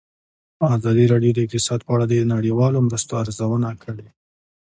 ازادي راډیو د اقتصاد په اړه د نړیوالو مرستو ارزونه کړې.